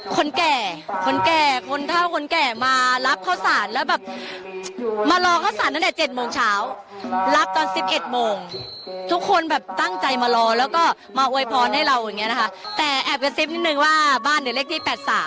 คนแก่คนแก่คนเท่าคนแก่มารับข้าวสารแล้วแบบมารอข้าวสารตั้งแต่๗โมงเช้ารับตอน๑๑โมงทุกคนแบบตั้งใจมารอแล้วก็มาอวยพรให้เราอย่างนี้นะคะแต่แอบกระซิบนิดนึงว่าบ้านเดี๋ยวเลขที่๘๓